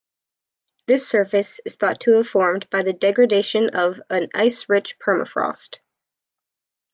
This surface is thought to have formed by the degradation of an ice-rich permafrost.